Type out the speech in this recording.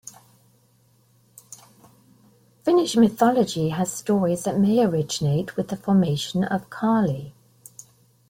Finnish mythology has stories that may originate with the formation of Kaali.